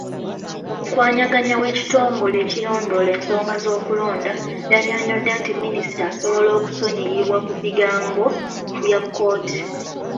Omukwanaganya w'ekitongole ekirondoola ensonga z'okulonda, yannyonnyodde nti Minisita asobola okusonyiyibwa ku bigambo bya kkooti.